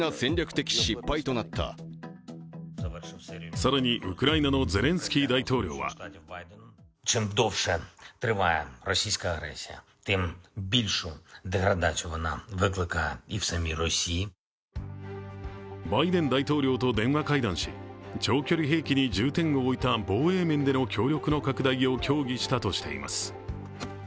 更に、ウクライナのゼレンスキー大統領はバイデン大統領と電話会談し長距離兵器に重点を置いた防衛面での協力の拡大を協議したとしています。